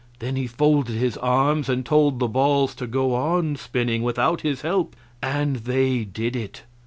Then he folded his arms and told the balls to go on spinning without his help and they did it.